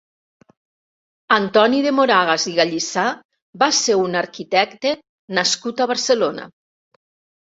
Antoni de Moragas i Gallissà va ser un arquitecte nascut a Barcelona.